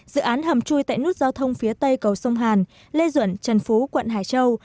dự án hầm chui tại nút giao thông phía tây cầu sông hàn lê duẩn trần phú quận hải châu